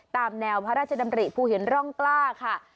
ตามแนวพระราชดำริภูหินร่องกล้าค่ะ